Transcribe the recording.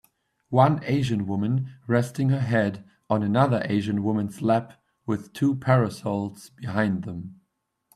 One asian woman resting her head on another asian woman 's lap with two parasols behind them.